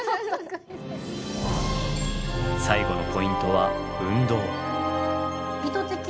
最後のポイントは運動。